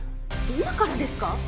今からですか？